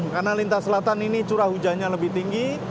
karena lintas selatan ini curah hujannya lebih tinggi